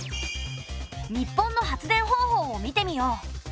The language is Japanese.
日本の発電方法を見てみよう。